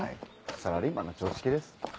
サラリーマンの常識です。